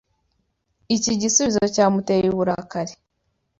Iki gisubizo cyamuteye uburakari.